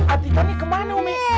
adik kami kemana umi